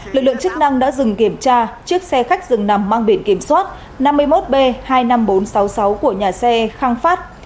lực lượng chức năng đã dừng kiểm tra chiếc xe khách dừng nằm mang biển kiểm soát năm mươi một b hai mươi năm nghìn bốn trăm sáu mươi sáu của nhà xe khang phát